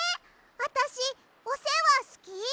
あたしおせわすき？